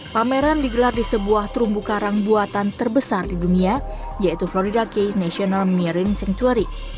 pameran digelar di sebuah terumbu karang buatan terbesar di dunia yaitu florida k national marine sanctuary